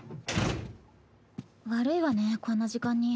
悪いわねこんな時間に。